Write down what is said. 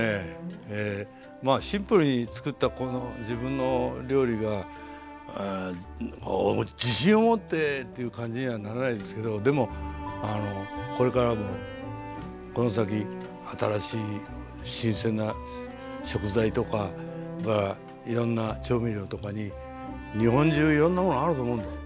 まあシンプルにつくったこの自分の料理が自信を持ってっていう感じにはならないですけどでもこれからもこの先新しい新鮮な食材とかいろんな調味料とかに日本中いろんなものがあると思うんです。